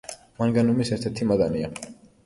მანგანუმის ერთ-ერთი მადანია.